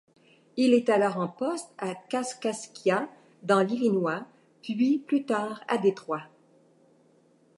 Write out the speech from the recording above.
Il est alors en poste à Kaskaskia dans l'Illinois, puis, plus tard à Détroit.